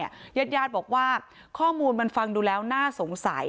ญาติญาติบอกว่าข้อมูลมันฟังดูแล้วน่าสงสัย